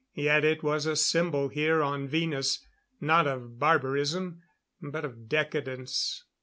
Yet it was a symbol here on Venus, not of barbarism, but of decadence.